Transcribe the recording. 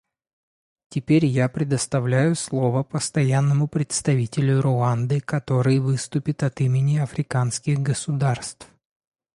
Теперь я предоставляю слово Постоянному представителю Руанды, который выступит от имени африканских государств.